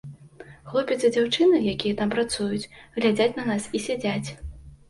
Хлопец і дзяўчына, якія там працуюць, глядзяць на нас і сядзяць.